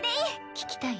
聞きたい？